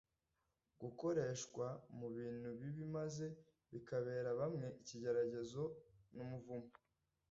gukoreshwa mu bintu bibi maze bikabera bamwe ikigeragezo n’umuvumo